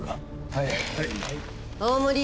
はい。